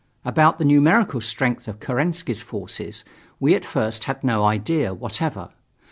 About the numerical strength of Kerensky's forces we at first had no idea whatever.